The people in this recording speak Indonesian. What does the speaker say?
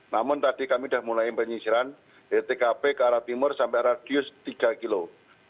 namun tadi kami sudah mulai penyisiran dari tkp ke arah timur sampai radius tiga kilo